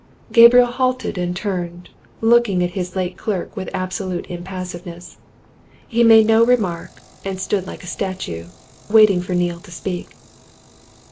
Gabriel halted and turned, looking at his late clerk with absolute impassiveness. He made no remark, and stood like a statue, waiting for Neale to speak.